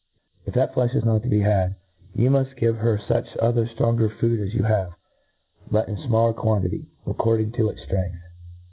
If that flefh is not to be had, you mull give her fuch other ftronger food as you have, but in fmaller quantity, according to its ftrength.